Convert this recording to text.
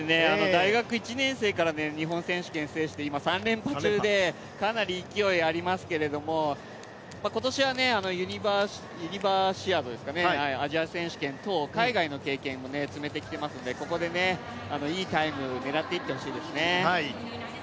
大学１年生から日本選手権を制して今、４連覇中でかなり勢いありますけれども今年はユニバーシアード、アジア選手権等海外の経験も積めてきてますんでここでいいタイム狙っていってほしいですね。